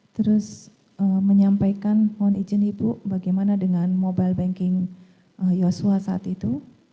terus menyampaikan mohon izin ibu bagaimana dengan mobile banking yosua saat itu